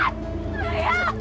kamu bukan balasanku